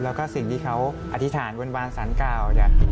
แล้วก็สิ่งที่เขาอธิษฐานวันสรรค์เก่า